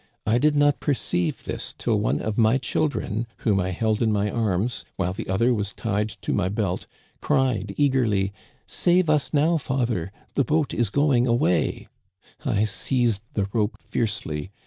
I did not perceive this till one of my children, whom I held in my arms, while the other was tied to my belt, cried eagerly :* Save us now, father ; the boat is going away Î ' I seized the rope fiercely.